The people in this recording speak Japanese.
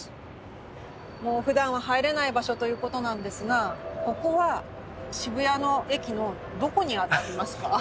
もうふだんは入れない場所ということなんですがここは渋谷の駅のどこにあたりますか？